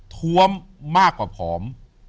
ท้วมมากกว่าผอม